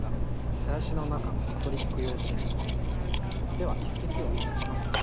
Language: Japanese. では一席をお願いします。